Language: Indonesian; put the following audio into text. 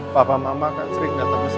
papa mama kan sering datang ke sini